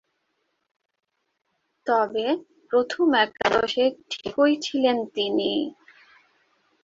তবে, প্রথম একাদশে ঠিকই ছিলেন তিনি।